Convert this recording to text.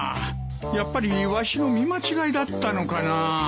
やっぱりわしの見間違いだったのかな。